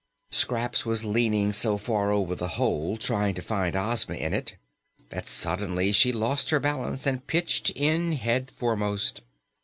Scraps was leaning so far over the hole trying to find Ozma in it that suddenly she lost her balance and pitched in head foremost.